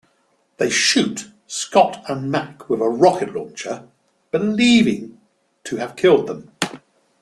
They shoot Scott and Mac with a rocket launcher, believing to have killed them.